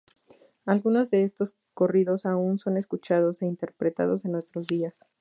Algunos de estos corridos aún son escuchados e interpretados en nuestros días.